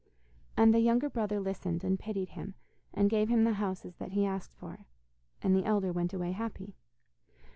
And the younger brother listened and pitied him, and gave him the houses that he asked for, and the elder went away happy.